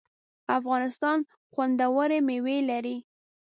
افغانستان خوندوری میوی لري